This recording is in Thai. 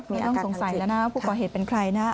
นี่ต้องสงสัยแล้วนะว่าผู้ก่อเหตุเป็นใครนะ